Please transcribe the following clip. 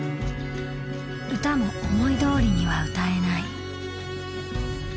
歌も思いどおりには歌えない。